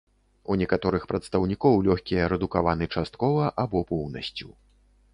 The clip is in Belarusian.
У некаторых прадстаўнікоў лёгкія рэдукаваны часткова або поўнасцю.